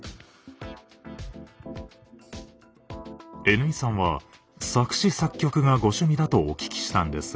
Ｎ井さんは作詞・作曲がご趣味だとお聞きしたんですが。